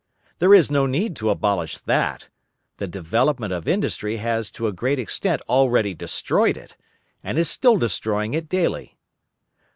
There is no need to abolish that; the development of industry has to a great extent already destroyed it, and is still destroying it daily.